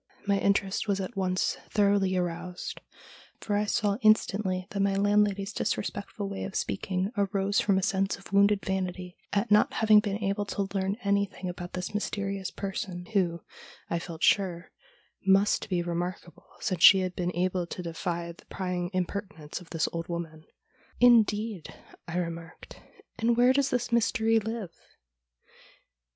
My interest was at once thoroughly aroused, for I saw in stantly that my landlady's disrespectful way of speaking arose from a sense of wounded vanity at not having been able to learn anything about this mysterious person, who, I felt sure, must be remarkable since she had been able to defy the prying impertinence of this old woman. ' Indeed !' I remarked ;' and where does this Mystery live